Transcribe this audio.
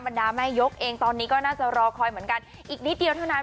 ดาแม่ยกเองตอนนี้ก็น่าจะรอคอยเหมือนกันอีกนิดเดียวเท่านั้น